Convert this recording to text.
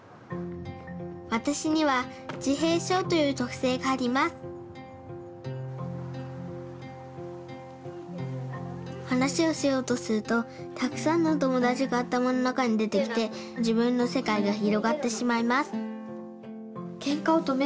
わたしにはじへいしょうというとくせいがありますはなしをしようとするとたくさんのおともだちがあたまのなかにでてきて自分のせかいがひろがってしまいます